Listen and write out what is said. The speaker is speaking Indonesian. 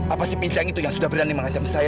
apa si pijang itu yang sudah berani mengancam saya